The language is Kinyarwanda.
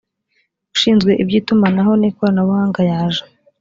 ushinzwe iby itumanaho n ikoranabuhanga yaje